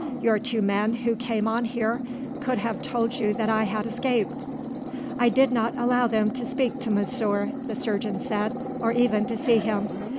Your two men, who came on here, could have told you that I had escaped." "I did not allow them to speak to monsieur," the surgeon said, "or even to see him.